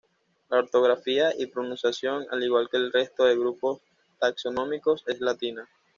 La ortografía y pronunciación, al igual que el resto de grupos taxonómicos, es latina.